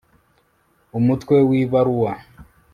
umutwe wibaruwa